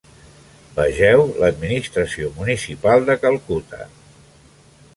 Vegeu l'administració municipal de Calcuta.